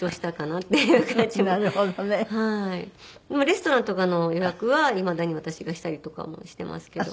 レストランとかの予約はいまだに私がしたりとかもしていますけど。